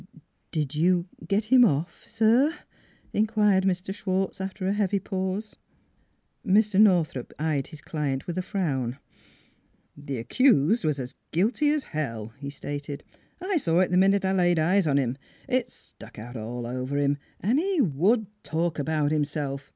" "Did you get him off, sir?" inquired Mr. Schwartz, after a heavy pause. Mr. Northrup eyed his client with a frown. " The accused was as guilty as hell," he stated. " I saw it the minute I laid eyes on him. It stuck out all over him; and he would talk about himself.